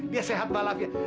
dia sehat balap ya